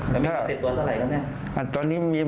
แล้วมีติดตัวเท่าไหร่ครับเนี่ย